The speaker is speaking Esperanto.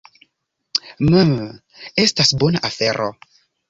"Mmm, estas bona afero."